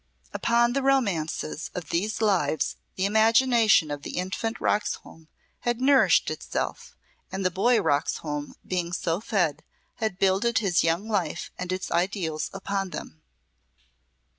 Upon the romances of these lives the imagination of the infant Roxholm had nourished itself, and the boy Roxholm being so fed had builded his young life and its ideals upon them.